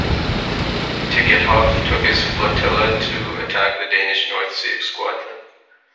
Tegetthoff took his flotilla to attack the Danish North Sea Squadron.